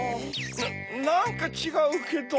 なんかちがうけど。